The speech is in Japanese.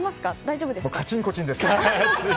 カチンコチンです。